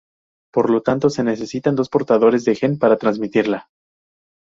Por lo tanto, se necesitan dos portadores del gen para transmitirla.